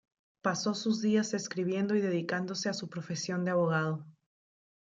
Pasó sus días escribiendo y dedicándose a su profesión de abogado.